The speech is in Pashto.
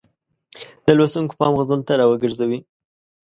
د لوستونکو پام غزل ته را وګرځوي.